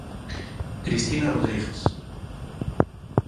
Cristina Rodríguez.